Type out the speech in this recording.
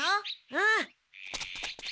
うん。